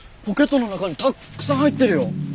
ポケットの中にたくさん入ってるよ。